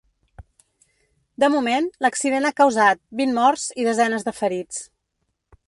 De moment, l’accident ha causat vint morts i desenes de ferits.